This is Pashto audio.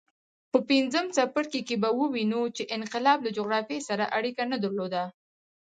په پنځم څپرکي کې به ووینو چې انقلاب له جغرافیې سره اړیکه نه درلوده.